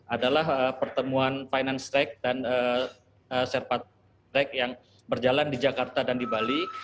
adalah pertemuan finance track dan serpat track yang berjalan di jakarta dan di bali